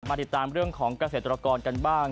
ติดตามเรื่องของเกษตรกรกันบ้าง